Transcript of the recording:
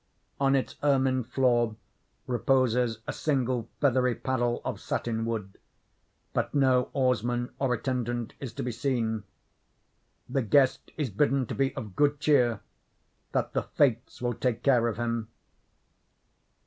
On its ermined floor reposes a single feathery paddle of satin wood; but no oarsmen or attendant is to be seen. The guest is bidden to be of good cheer—that the fates will take care of him.